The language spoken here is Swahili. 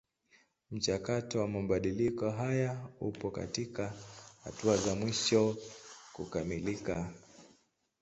Mchakato wa mabadiliko haya upo katika hatua za mwisho kukamilika.